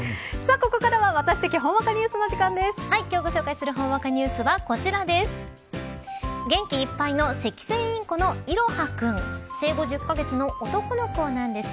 ここからはワタシ的ほんわかニュースの時間です。